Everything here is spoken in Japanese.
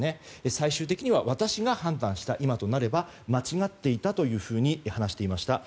最終的には私が判断した今となれば間違っていたと話していました。